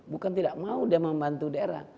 bukan tidak mau dia membantu daerah